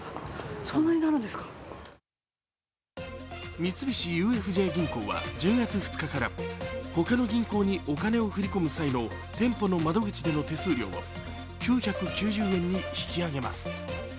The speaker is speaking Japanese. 三菱ＵＦＪ銀行は１０月２日から他の銀行にお金を振り込む際の店舗の窓口での手数料を９９０円に引き上げます。